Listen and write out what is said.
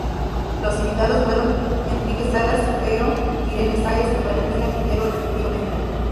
Los invitados fueron Henrique Salas Feo, Irene Sáez y Valentina Quintero, respectivamente.